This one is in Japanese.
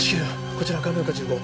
こちら亀岡１５。